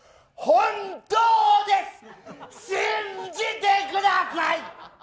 本当です、信じてください。